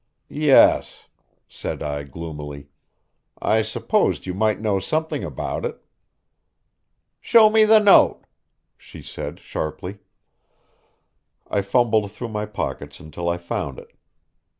"Yes," said I gloomily; "I supposed you might know something about it." "Show me the note," she said sharply. I fumbled through my pockets until I found it.